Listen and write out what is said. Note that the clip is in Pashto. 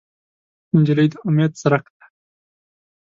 نجلۍ د امید څرک ده.